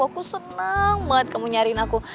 aku seneng banget kamu nyariin aku